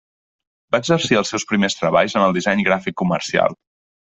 Va exercir els seus primers treballs en el disseny gràfic comercial.